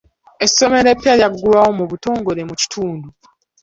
Essomero eppya lyagguddwawo mu butongole mu kitundu.